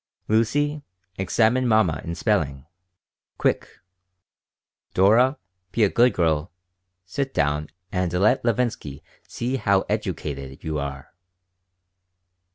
"Lucy, examine mamma in spelling. Quick! Dora, be a good girl, sit down and let Levinsky see how educated you are."